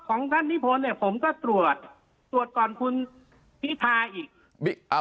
ของท่านนิพนธ์ผมก็ตรวจก่อนคุณพิพาอีก